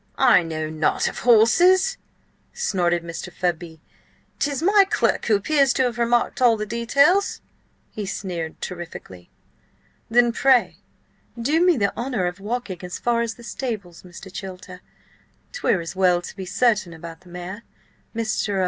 "I know nought of horses," snorted Mr. Fudby. "'Tis my clerk who appears to have remarked all the details." He sneered terrifically. "Then pray, do me the honour of walking as far as the stables, Mr. Chilter. 'Twere as well to be certain about the mare. Mr.